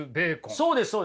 そうですそうです。